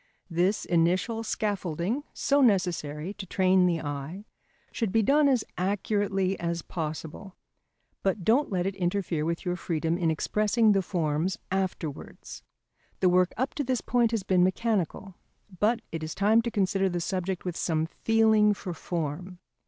This initial scaffolding, so necessary to train the eye, should be done as accurately as possible, but don't let it interfere with your freedom in expressing the forms afterwards. The work up to this point has been mechanical, but it is time to consider the subject with some feeling for form.